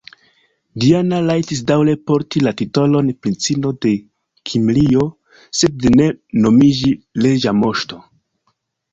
Diana rajtis daŭre porti la titolon "Princino de Kimrio", sed ne nomiĝi "reĝa moŝto".